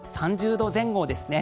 ３０度前後ですね。